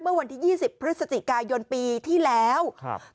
เมื่อวันที่ยี่สิบพฤศจิกายนปีที่แล้วครับ